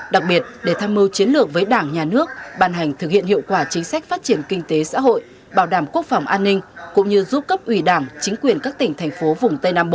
đặc biệt để tham mưu chiến lược với đảng nhà nước bàn hành thực hiện hiệu quả chính sách phát triển kinh tế xã hội bảo đảm quốc phòng an ninh cũng như giúp cấp ủy đảng chính quyền các tỉnh thành phố vùng tây nam bộ